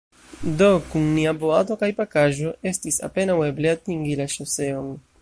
Do, kun nia boato kaj pakaĵo estis apenaŭ eble atingi la ŝoseon.